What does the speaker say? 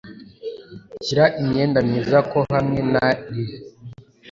shyira imyenda myiza ko hamwe na lili,